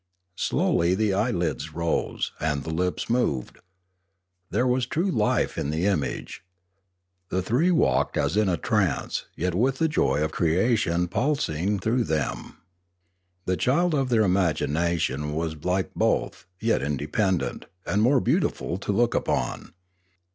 Slowly the eyelids rose, and the lips moved. There was true life in the image. The three walked as in trance, yet with the joy of creation pulsing through them. The child of their imagination was like both, yet inde pendent, and more beautiful to look upon.